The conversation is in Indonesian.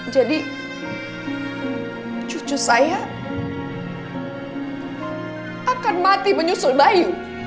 jadi cucu saya akan mati menyusul bayu